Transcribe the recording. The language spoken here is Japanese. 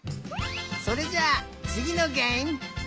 それじゃあつぎのげえむ！